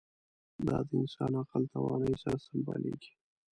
دا د انسان عقل توانایۍ سره سمبالېږي.